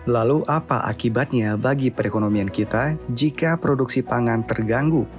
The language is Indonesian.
lalu apa akibatnya bagi perekonomian kita jika produksi pangan terganggu